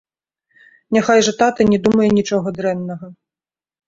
Няхай жа тата не думае нічога дрэннага.